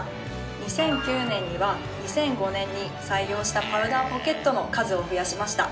２００９年には２００５年に採用したパウダーポケットの数を増やしました。